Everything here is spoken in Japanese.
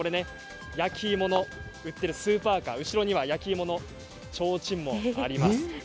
焼き芋を売っているスーパーカー後ろには焼き芋のちょうちんもあります。